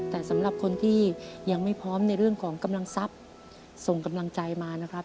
แต่สำหรับคนที่ยังไม่พร้อมในเรื่องของกำลังทรัพย์ส่งกำลังใจมานะครับ